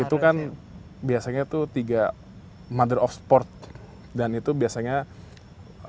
itu kan biasanya itu tiga mother of sport dan itu biasanya lambang marwahnya